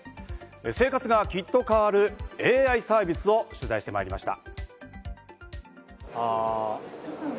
生活がきっと変わるＡＩサービスを取材してまいりました。